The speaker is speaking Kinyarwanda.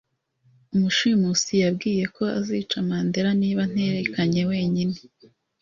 Umushimusi yambwiye ko azica Mandera niba nterekanye wenyine.